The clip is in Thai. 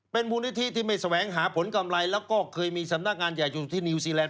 เป็นมูลนิธิที่ไม่แสวงหาผลกำไรแล้วก็เคยมีสำนักงานใหญ่อยู่ที่นิวซีแลนด